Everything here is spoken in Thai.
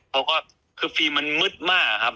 เขาก็คือฟีลมันมืดมากครับ